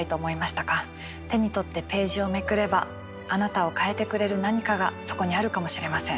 手に取ってページをめくればあなたを変えてくれる何かがそこにあるかもしれません。